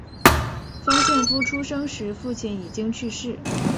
方献夫出生时父亲已经去世。